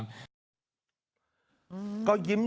มีรอยยิ้ม